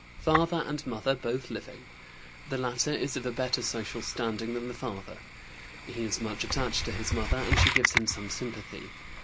Father and mother both living; the latter is of a better social standing than the father. He is much attached to his mother, and she gives him some sympathy.